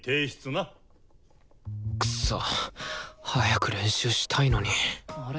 クソッ早く練習したいのにあれ？